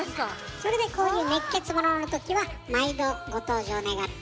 それでこういう熱血もののときは毎度ご登場願ってるの。